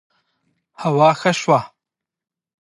هوا ښه شوه